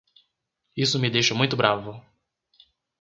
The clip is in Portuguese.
Isso me deixa muito bravo.